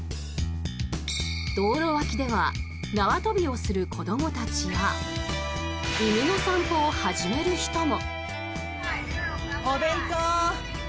道路脇では縄跳びをする子どもたちや犬の散歩を始める人も。